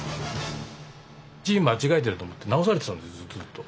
字間違えてると思って直されてたんですずっと。